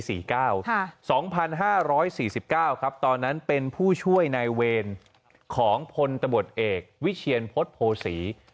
สองพันห้าร้อยสี่สิบเก้าครับตอนนั้นเป็นผู้ช่วยในเวรของพลตะบดเอกวิเชียนพศโภศรี